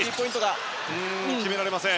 決められません。